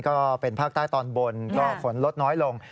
ก็เป็นภาคใต้ตอนบนก็ฝนลดน้อยลง